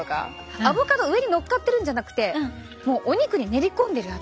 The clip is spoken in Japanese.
アボカド上に載っかってるんじゃなくてもうお肉に練り込んでるやつ。